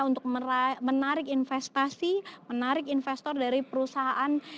untuk menarik investasi menarik investor dari perusahaan